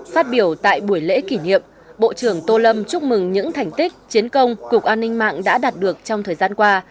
phát biểu tại buổi lễ kỷ niệm bộ trưởng tô lâm chúc mừng những thành tích chiến công cục an ninh mạng đã đạt được trong thời gian qua